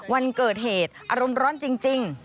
วันเกิดเหตุอารมณ์ร้อนจริง